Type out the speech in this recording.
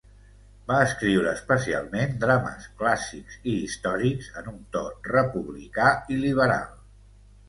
Va escriure especialment drames clàssics i històrics en un to republicà i liberal.